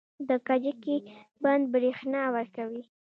د کجکي بند بریښنا ورکوي